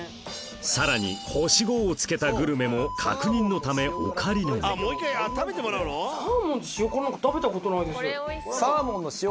さらに星５をつけたグルメも確認のためオカリナにサーモンの塩辛なんか食べたことないです。